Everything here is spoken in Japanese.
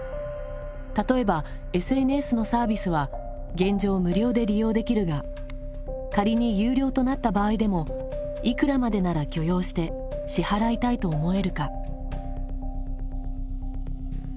例えばＳＮＳのサービスは現状無料で利用できるが仮に有料となった場合でもいくらまでなら許容して支払いたいと思えるか。